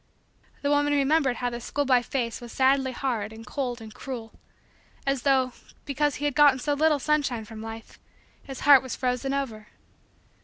The woman remembered how this schoolboy face was sadly hard and cold and cruel, as though, because he had gotten so little sunshine from life, his heart was frozen over.